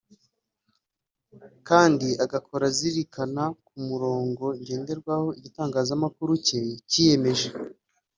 kandi agakora azirikana ku murongo ngenderwaho igitangazamakuru cye cyiyemeje